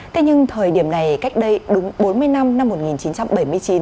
thế nhưng thời điểm này cách đây đúng bốn mươi năm năm một nghìn chín trăm bảy mươi chín